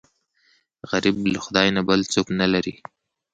غریب له خدای نه بل څوک نه لري